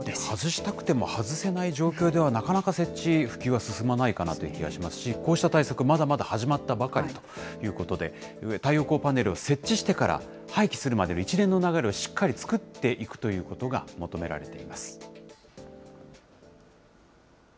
外したくても外せない状況では、なかなか設置、普及は進まないかなという気がしますし、こうした対策、まだまだ始まったばかりということで、太陽光パネルを設置してから廃棄するまでの一連の流れをしっかり作っていくということが求められています。